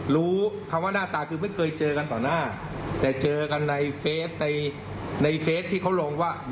รู้คำว่าหน้าตาคือไม่เคยเจอกันต่อหน้าแต่เจอกันในเฟสในในเฟสที่เขาลงว่า